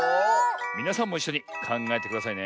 みなさんもいっしょにかんがえてくださいね。